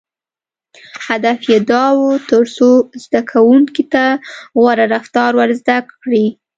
• هدف یې دا و، تر څو زدهکوونکو ته غوره رفتار ور زده کړي.